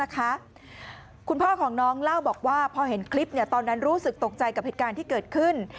คุณพ่อของน้องเล่าบอกว่าพอเห็นคลิปตอนนั้นรู้สึกตกใจกับเหตุการณ์ที่เกิดขึ้น